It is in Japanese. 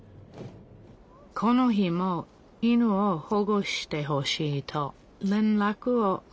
この日も犬を保護してほしいと連らくを受けました。